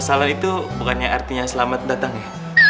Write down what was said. salad itu bukannya artinya selamat datang ya